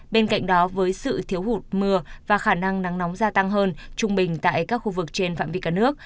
bên cạnh đó với sự thiếu hụt mưa và khả năng nắng nóng gia tăng hơn trung bình tại các khu vực trên phạm vi cả nước